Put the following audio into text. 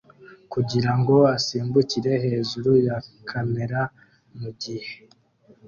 kugirango asimbukire hejuru ya kamera mugihe